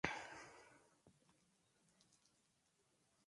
Es una isla privada y está cerrada a los visitantes.